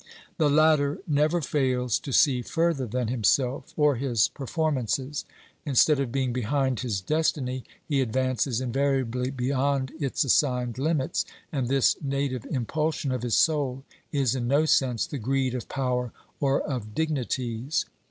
The latter never fails to see further than himself or his per formances; instead of being behind his destiny he advances invariably beyond its assigned limits, and this native im pulsion of his soul is in no sense the greed of power or of dignities.